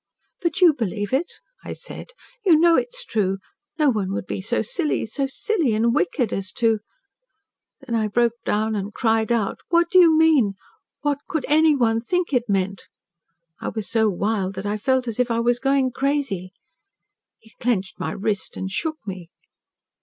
"'But you believe it,' I said. 'You know it is true. No one would be so silly so silly and wicked as to ' Then I broke down and cried out. 'What do you mean? What could anyone think it meant?' I was so wild that I felt as if I was going crazy. He clenched my wrist and shook me.